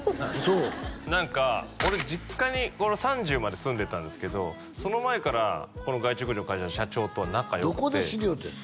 何か俺実家に３０まで住んでたんですけどその前からこの害虫駆除の会社の社長とは仲良くてどこで知り合うてん？